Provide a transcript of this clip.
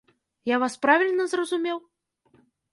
Я вас правільна зразумеў?